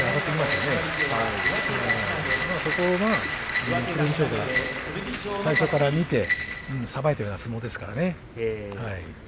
剣翔が最初から見てさばいてるような相撲ですからね。